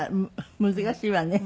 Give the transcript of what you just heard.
難しいわね。